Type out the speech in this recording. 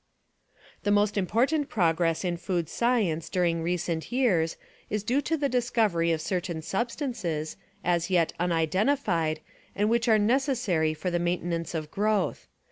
The most important progress in food science during recent years is due to the discovery of certain substances, as yet unidentified, and which are necessary for the maintenance of growth.